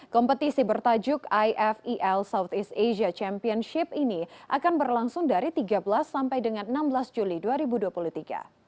kompetisi bertajuk ifal southeast asia championship ini akan berlangsung dari tiga belas sampai dengan enam belas juli dua ribu dua puluh tiga